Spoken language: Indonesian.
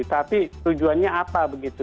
tapi tujuannya apa begitu